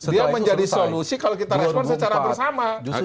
dia menjadi solusi kalau kita respon secara bersama